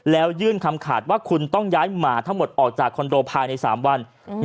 แล้วยื่นคำขาดว่าคุณต้องย้ายหมาทั้งหมดออกจากคอนโดภายใน๓วัน